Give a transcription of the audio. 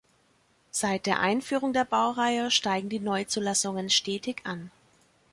Seit der Einführung der Baureihe steigen die Neuzulassungen stetig an.